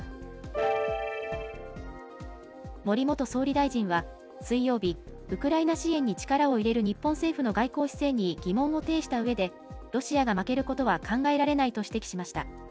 森元総理大臣は、水曜日、ウクライナ支援に力を入れる日本政府の外交姿勢に疑問を呈したうえで、ロシアが負けることは考えられないと指摘しました。